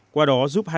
qua đó giúp bệnh viện